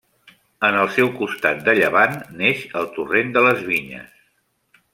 En el seu costat de llevant neix el torrent de les Vinyes.